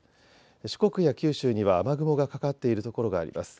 四国や九州には雨雲がかかっている所があります。